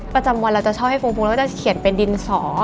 ประจำวันเราจะชอบให้ฟูฟูแล้วก็จะเขียนเป็นดินสอ